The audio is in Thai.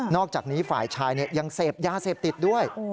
อกจากนี้ฝ่ายชายยังเสพยาเสพติดด้วย